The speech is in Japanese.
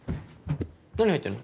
何入ってんの？